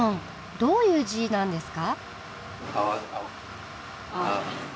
どういう字なんですか？